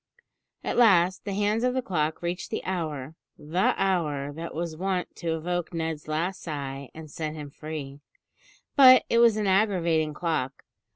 At last, the hands of the clock reached the hour, the hour that was wont to evoke Ned's last sigh and set him free; but it was an aggravating clock.